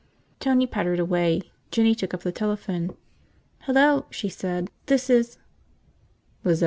Tony pattered away. Jinny took up the telephone. "Hello," she said. "This is